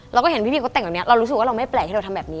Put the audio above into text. เราก็เห็นพี่บีเขาแต่งแบบนี้เรารู้สึกว่าเราไม่แปลกที่เราทำแบบนี้